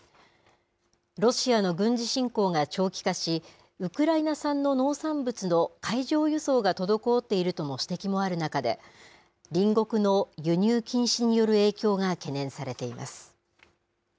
ロシアの軍事侵攻が長期化し、ウクライナ産の農産物の海上輸送が滞っているとの指摘もある中で、隣国の輸入禁止による影響が懸念されています。